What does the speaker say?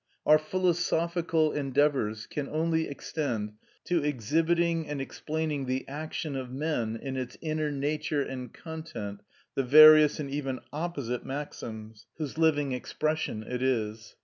Our philosophical endeavours can only extend to exhibiting and explaining the action of men in its inner nature and content, the various and even opposite maxims, whose living expression it is.